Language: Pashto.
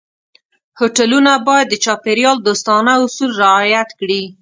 هوټلونه باید د چاپېریال دوستانه اصول رعایت کړي.